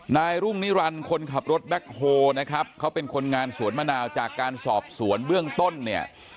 นายรุ่งนิรันดิ์คนขับรถแบ็คโฮนะครับเขาเป็นคนงานสวนมะนาวจากการสอบสวนเบื้องต้นเนี่ย